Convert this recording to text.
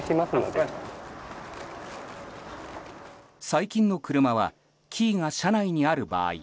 最近の車はキーが車内にある場合